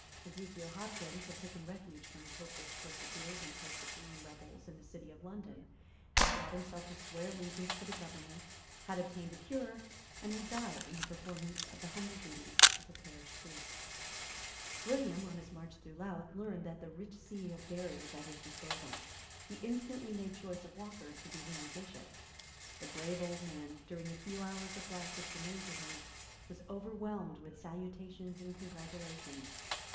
Ezekiel Hopkins had taken refuge from Popish persecutors and Presbyterian rebels in the city of London, had brought himself to swear allegiance to the government, had obtained a cure, and had died in the performance of the humble duties of a parish priest, William, on his march through Louth, learned that the rich see of Derry was at his disposal. He instantly made choice of Walker to be the new Bishop. The brave old man, during the few hours of life which remained to him, was overwhelmed with salutations and congratulations.